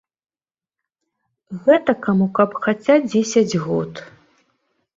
Гэтакаму каб хаця дзесяць год.